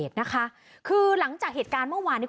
ด้วยว่าหลังจากเหตุการณ์เมื่อวาน